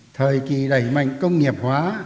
thời kỳ đẩy mạnh công nghiệp hóa